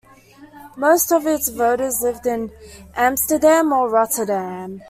Most of its voters lived in Amsterdam or Rotterdam.